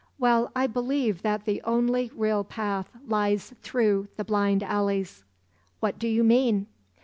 Well, I believe that the only real path lies through the blind alleys." "How do you mean?"